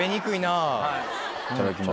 いただきます。